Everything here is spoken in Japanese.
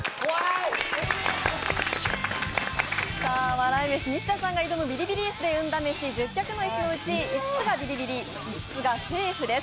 笑い飯・西田さんが挑むビリビリ椅子で運だめし１０脚の椅子のうち、５つがビリビリ、５つがセーフです。